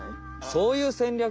そういう戦略？